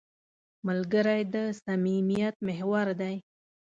ملګری د صمیمیت محور دی